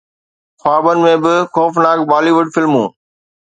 خوابن ۾ به خوفناڪ بالي ووڊ فلمون